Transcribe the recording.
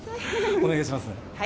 お願いしますね。